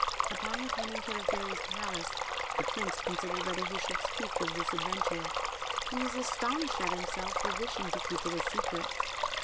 Upon returning to the Fairy's palace the Prince considered whether he should speak of this adventure; he was astonished at himself for wishing to keep it a secret.